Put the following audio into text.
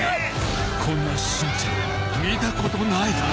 こんなしんちゃん見たことない！